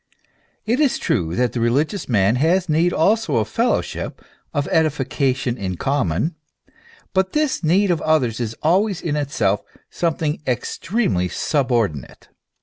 It is true that the religious man has need also of fellowship, of edification in common ; but this need of others is always in itself something extremely subordinate.